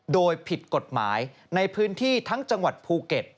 โดยผิดกฎหมายในพื้นที่ทั้งจังหวัดภูเก็ต